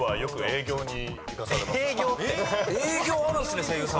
営業あるんすね！